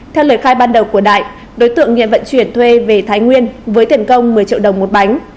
theo lời khai ban đầu của đại đối tượng nghiện vận chuyển thuê về thái nguyên với tiền công một mươi triệu đồng một bánh